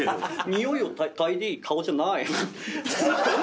においをかっかいでいい顔じゃない。